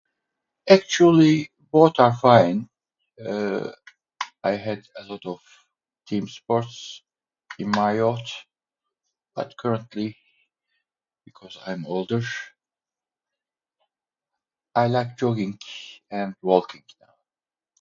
Actually, what I find, uh, I had a little team sports in my youth, but currently, because I'm old-ish, I like jogging and walking now.